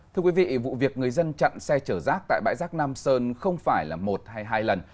thưa quý vị vụ việc người dân chặn xe chở rác tại bãi rác nam sơn không phải là một hay hai lần